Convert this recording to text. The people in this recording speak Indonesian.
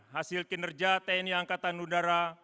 hasil kinerja tni angkatan udara